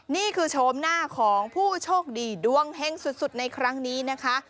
โฉมหน้าของผู้โชคดีดวงเฮงสุดในครั้งนี้นะคะ